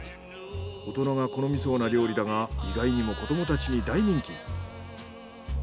大人が好みそうな料理だが意外にも子どもたちに大人気。